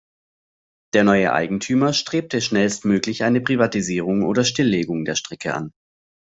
Der neue Eigentümer strebte schnellstmöglich eine Privatisierung oder Stilllegung der Strecke an.